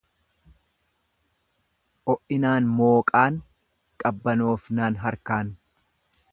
O'inaan mooqaan, qabbanoofnaan harkaan.